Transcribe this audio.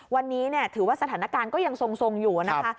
วันนี้ถือว่าสถานการณ์ก็ยังทรงอยู่นะคะ